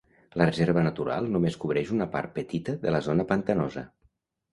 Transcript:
La reserva natural només cobreix una part petita de la zona pantanosa.